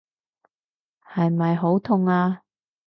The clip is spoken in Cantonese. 係咪好痛啊？